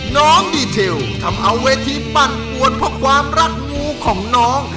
น้องดีเทลทำเอาเวทีปั่นปวนเพราะความรักงูของน้อง